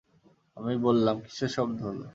আমি বললাম, কিসের শব্দ হল?